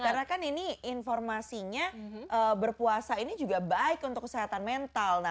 karena kan ini informasinya berpuasa ini juga baik untuk kesehatan mental